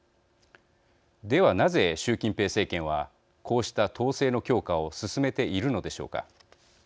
では、なぜ、習近平政権はこうした統制の強化を進めているのでしょうか。